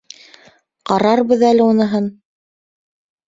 — Ҡарарбыҙ әле уныһын...